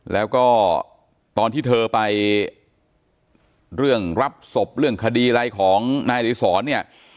แล้วก็ตอนที่เธอไปเรื่องรับศพเรื่องคดีอะไรของนายอดีศรเนี่ย